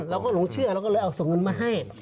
เราก็หลงเชื่อเราก็เลยเอาส่งเงินมาให้